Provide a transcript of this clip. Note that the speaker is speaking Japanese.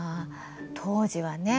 当時はね